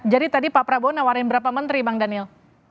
jadi tadi pak prabowo nawarin berapa menteri bang daniel